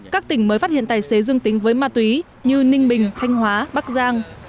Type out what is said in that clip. các tỉnh mới phát hiện tài xế dương tính với ma túy như ninh bình thanh hóa bắc giang